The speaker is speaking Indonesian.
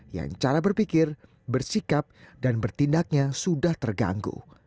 yang cara berpikir bersikap dan bertindaknya sudah terganggu